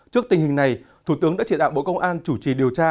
trước tình hình này thủ tướng đã chỉ đạo bộ công an chủ trì điều tra